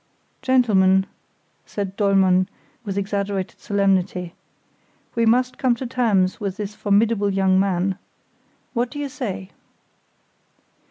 "Gentlemen," said Dollmann, with exaggerated solemnity, "we must come to terms with this formidable young man. What do you say?"